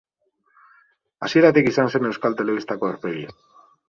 Hasieratik izan zen Euskal Telebistako aurpegi.